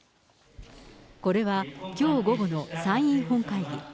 これは、きょう午後の参院本会議。